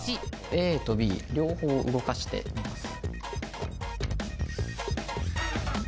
ＡとＢ両方動かしてみます。